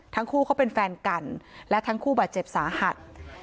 ทั้งคู่เขาเป็นแฟนกันและทั้งคู่บาดเจ็บสาหัส